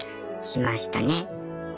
しましたね。